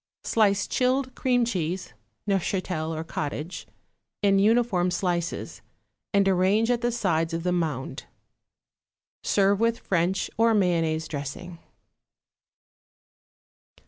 Slice chilled cream cheese (Neufchatel or cottage) in uniform slices, and arrange at the sides of the mound. Serve with French or mayonnaise dressing.